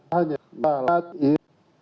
hanya dalam kemampuan ini